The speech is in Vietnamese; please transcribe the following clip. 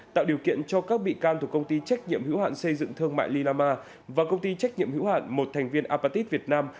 tạo điều kiện cho các bị can thuộc công ty trách nhiệm hữu hạn xây dựng thương mại lila ma và công ty trách nhiệm hữu hạn một thành viên apatit việt nam